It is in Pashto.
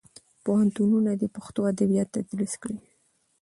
پوهنتونونه دې پښتو ادبیات تدریس کړي.